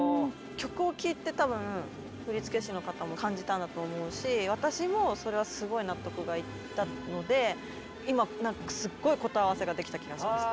曲を聴いて多分振り付け師の方も感じたんだと思うし私もそれはすごい納得がいったので今なんかすっごい答え合わせができた気がします。